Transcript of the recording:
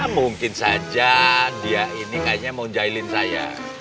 mungkin saja dia ini kayaknya mau jailin saya